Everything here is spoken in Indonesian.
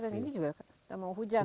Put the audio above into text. dan ini juga sudah mau hujan ya